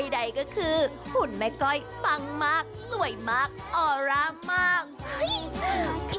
ใดก็คือหุ่นแม่ก้อยปังมากสวยมากออร่ามาก